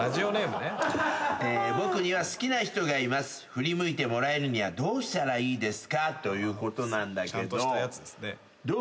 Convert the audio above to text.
「振り向いてもらえるにはどうしたらいいですか？」ということなんだけどどう？